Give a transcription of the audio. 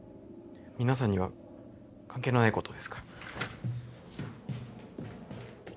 皆さんには関係のないことですから。